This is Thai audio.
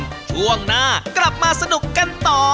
ช่วงหน้ากลับมาสนุกกันต่อ